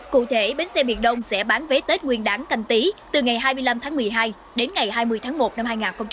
cụ thể bến xe miền đông sẽ bán vé tết nguyên đáng canh tí từ ngày hai mươi năm tháng một mươi hai đến ngày hai mươi tháng một năm hai nghìn hai mươi